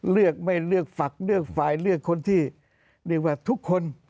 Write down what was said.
เลือกไม่เลือกฝักเลือกฝ่ายเลือกคนที่เรียกว่าทุกคน